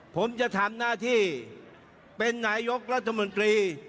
ผมจะทำหน้าที่เป็นนายกรัฐมนตรี